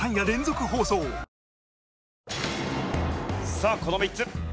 さあこの３つ。